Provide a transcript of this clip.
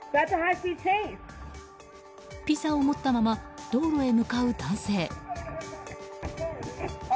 ピザを持ったまま道路へ向かう男性。